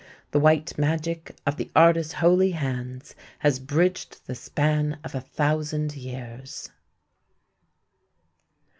The white magic of the artist's holy hands has bridged the span of a thousand years.